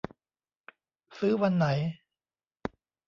ซื้อวันไหน